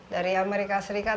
dari amerika serikat